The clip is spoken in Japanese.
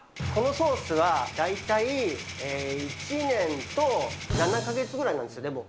このソースは大体１年と７か月ぐらいなんですよね。